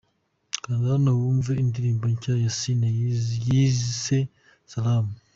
Kanda hano wumve indirimbo nshya ya Ciney yise Salama.